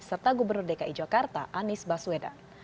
serta gubernur dki jakarta anies baswedan